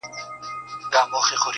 زه شاعر سړی یم بې الفاظو نور څه نلرم،